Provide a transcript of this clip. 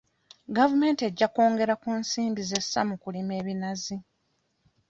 Gavumenti ejja kwongera ku nsimbi z'essa mu kulima ebinazi.